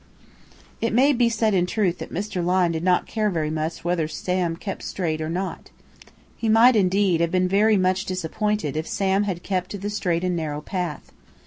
It may be said in truth that Mr. Lyne did not care very much whether Sam kept straight or not. He might indeed have been very much disappointed if Sam had kept to the straight and narrow path.